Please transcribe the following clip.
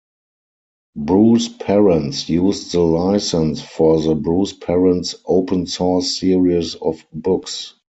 Bruce Perens used the license for the Bruce Perens' Open Source Series of books.